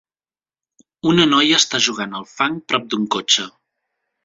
Una noia està jugant al fang prop d'un cotxe.